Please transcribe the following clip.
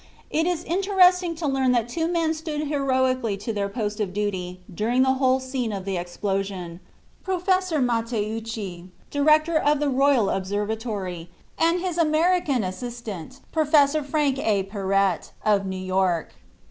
It is interesting to learn that two men stood heroically to their post of duty during the whole scene of the explosion, Professor Matteucci, Director of the Royal Observatory, and his American assistant, Professor Frank A. Perret, of New York.